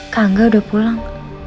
kangga udah pulang